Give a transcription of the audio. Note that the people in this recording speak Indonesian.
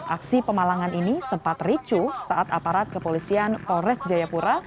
aksi pemalangan ini sempat ricu saat aparat kepolisian polres jayapura